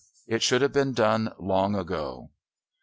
It should have been done long ago."